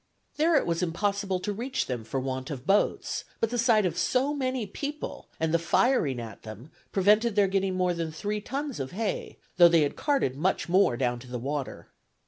There it was impossible to reach them for want of boats; but the sight of so many people, and the firing at them, prevented their getting more than three tons of hay, though they had carted much more down to the water.